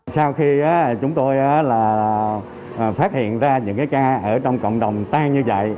sau khi chúng tôi phát hiện ra những cái ca ở trong cộng đồng tan như vậy